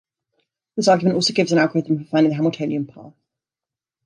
This argument also gives an algorithm for finding the Hamiltonian path.